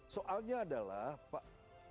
dan setelah pak